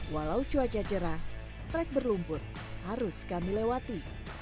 walau cuaca cerah trek berlumpur harus kami lewati